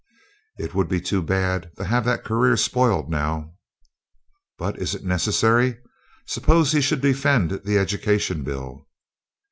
"It would be too bad to have that career spoiled now." "But is it necessary? Suppose he should defend the Education Bill."